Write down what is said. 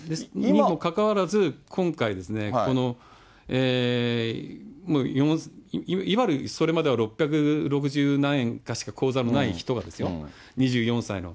にもかかわらず、今回、いわゆるそれまでは六百六十何円かしか口座のない人がですよ、２４歳の。